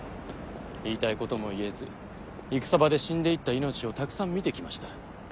言いたいことも言えず戦場で死んでいった命をたくさん見てきました。